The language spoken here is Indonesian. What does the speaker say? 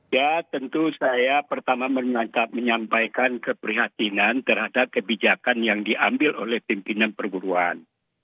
ya tentu saya pertama menyampaikan keprihatinan terhadap kebijakan yang diambil oleh pimpinan perguruan